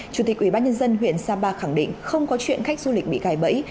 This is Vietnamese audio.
chủ tịch ubnd huyện sapa khẳng định không có chuyện khách du lịch bị cài bẫy